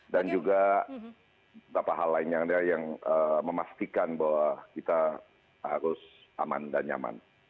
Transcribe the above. dan juga beberapa hal lainnya yang memastikan bahwa kita harus aman dan nyaman